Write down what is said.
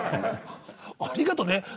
ありがとね！